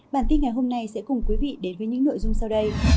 bản tin ngày hôm nay sẽ cùng quý vị đến với những nội dung sau đây